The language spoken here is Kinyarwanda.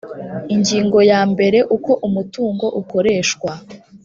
ingingo yambere uko umutungo ukoreshwa